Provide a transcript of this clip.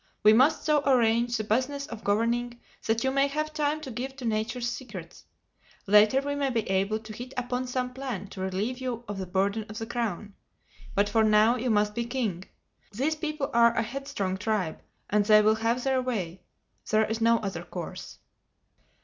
We must so arrange the business of governing that you may have time to give to Nature's secrets. Later we may be able to hit upon some plan to relieve you of the burden of the crown. But for now you must be king. These people are a headstrong tribe and they will have their way. There is no other course."